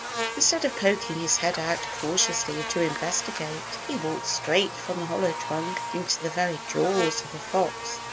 Instead of poking his head out cautiously to investigate, he walked straight from the hollow trunk into the very jaws of the fox.